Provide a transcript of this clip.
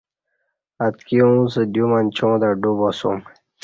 اتکی اُنڅ دیو منچاں تہ ڈو باسُم